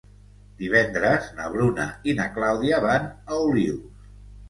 Divendres na Bruna i na Clàudia van a Olius.